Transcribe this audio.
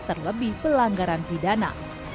terlebih pelanggaran pidana